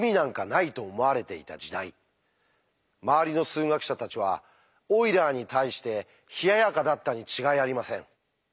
周りの数学者たちはオイラーに対して冷ややかだったに違いありません。